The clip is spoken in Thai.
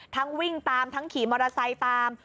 วิ่งตามทั้งขี่มอเตอร์ไซค์ตาม